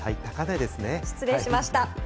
失礼いたしました。